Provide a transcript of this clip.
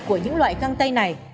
của những loại găng tay này